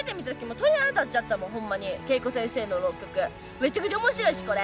めちゃくちゃ面白いしこれ。